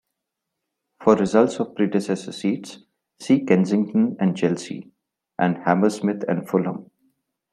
For results of predecessor seats, see Kensington and Chelsea, and Hammersmith and Fulham.